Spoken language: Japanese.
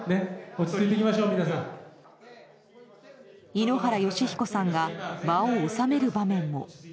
井ノ原快彦さんが場を収める場面も。